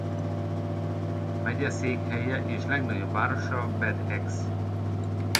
Megyeszékhelye és legnagyobb városa Bad Axe.